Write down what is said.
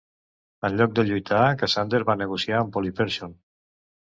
En lloc de lluitar, Cassander va negociar amb Polyperchon.